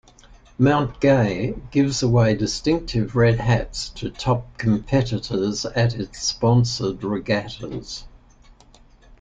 Mount Gay gives away distinctive red hats to top competitors at its sponsored regattas.